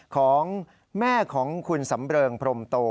ของแม่ของคุณสำเริงพรมโต